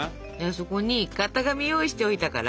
そこに型紙用意しておいたから。